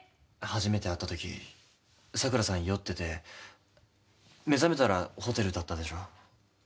初めて会ったとき桜さん酔ってて目覚めたらホテルだったでしょ？